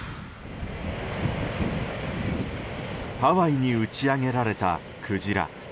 ハワイに打ち揚げられたクジラ。